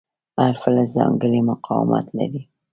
هر فلز ځانګړی مقاومت لري.